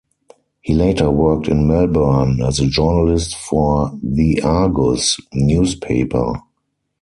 He later worked in Melbourne as a journalist for "The Argus" newspaper.